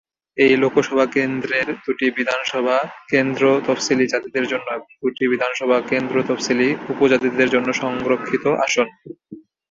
এই লোকসভা কেন্দ্রের দুটি বিধানসভা কেন্দ্র তফসিলী জাতিদের জন্য এবং দুটি বিধানসভা কেন্দ্র তফসিলী উপজাতিদের জন্য সংরক্ষিত আসন।